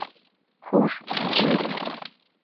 Хуш, Джим.